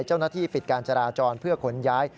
เจ้าหน้าที่ปิดการจราจรเพื่อขนย้าย